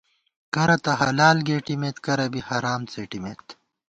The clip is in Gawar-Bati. کرہ تہ حلال گېٹِمېت، کرہ بی حرام څېٹِمېت